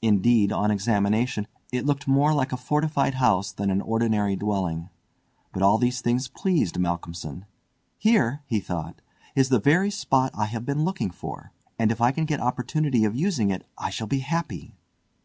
Indeed, on examination, it looked more like a fortified house than an ordinary dwelling. But all these things pleased Malcolmson. "Here," he thought, "is the very spot I have been looking for, and if I can get opportunity of using it I shall be happy."